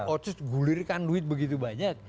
otsus gulirkan duit begitu banyak